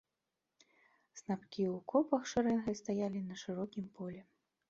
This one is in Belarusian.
Снапкі ў копах шарэнгай стаялі на шырокім полі.